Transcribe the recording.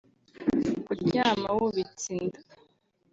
kuryama wubitse inda